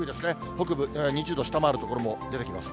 北部、２０度下回る所も出てきます。